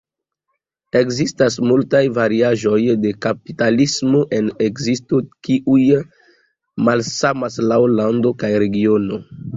Ekzistas multaj variaĵoj de kapitalismo en ekzisto kiuj malsamas laŭ lando kaj regiono.